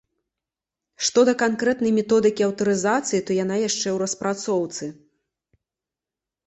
Што да канкрэтнай методыкі аўтарызацыі, то яна яшчэ ў распрацоўцы.